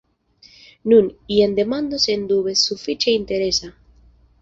Nu, jen demando sendube sufiĉe interesa.